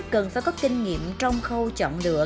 cần phải có kinh nghiệm trong khâu chọn lựa